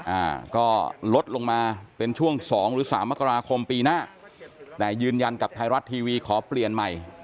อ่าก็ลดลงมาเป็นช่วงสองหรือสามมกราคมปีหน้าแต่ยืนยันกับไทยรัฐทีวีขอเปลี่ยนใหม่